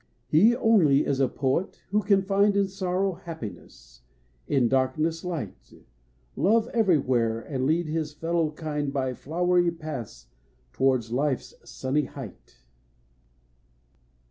He only is a poet who can find In sorrow, happiness, in darkness, light, Love everywhere, and lead his fellow kind By flowery paths towards life's sunny height.